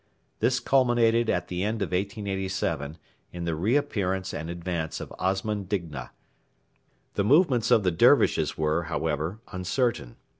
This culminated at the end of 1887 in the re appearance and advance of Osman Digna. The movements of the Dervishes were, however, uncertain.